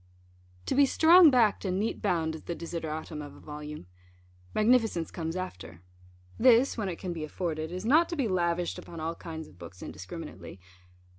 To be strong backed and neat bound is the desideratum of a volume. Magnificence comes after. This, when it can be afforded, is not to be lavished upon all kinds of books indiscriminately.